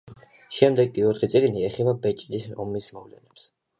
შემდეგი ოთხი წიგნი ეხება ბეჭდის ომის მოვლენებს.